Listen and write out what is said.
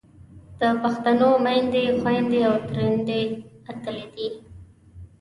د پښتنو میندې، خویندې او تریندې اتلې دي.